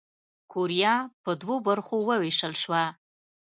کوریا پر دوو برخو ووېشل شوه.